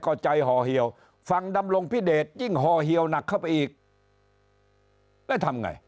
ก็ใจห่อเหี่ยวฟังดำรงพิเดชยิ่งห่อเหี่ยวหนักเข้าไปอีกแล้วทำไง